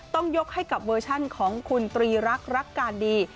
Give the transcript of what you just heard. ต้องยกให้กับเวอร์ชันของคุณตรีรักรักการดี